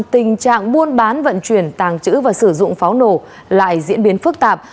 tình trạng buôn bán vận chuyển tàng trữ và sử dụng pháo nổ lại diễn biến phức tạp